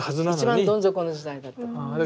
一番どん底の時代だったと思いますよね。